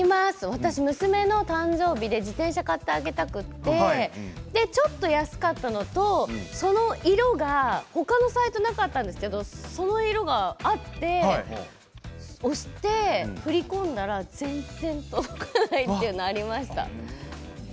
私、娘の誕生日で自転車を買ってあげたくてちょっと安かったのと、その色が他のサイトはなかったんですけれどもその色があって押して振り込んだら全然、届かないというのがありました。